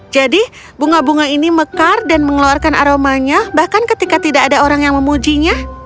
jadi bunga bunga ini mekar dan mengeluarkan aromanya bahkan ketika tidak ada orang yang memujinya